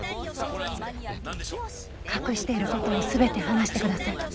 隠している事を全て話してください。